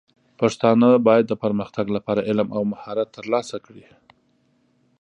پښتانه بايد د پرمختګ لپاره علم او مهارت ترلاسه کړي.